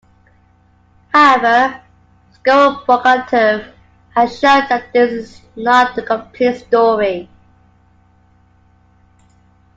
However, Skorobogatov has shown that this is not the complete story.